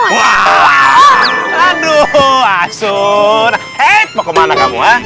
wah aduh asun hei mau kemana kamu ah